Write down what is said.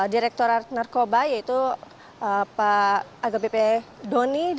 direkturat narkoba yaitu pak aga b p doni